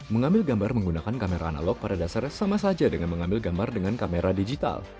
mengambil gambar menggunakan kamera analog pada dasarnya sama saja dengan mengambil gambar dengan kamera digital